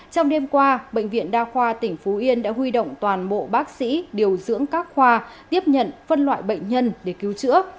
trong đêm qua bệnh viện đa khoa tỉnh phú yên đã huy động toàn bộ bác sĩ điều dưỡng các khoa tiếp nhận phân loại bệnh nhân để cứu chữa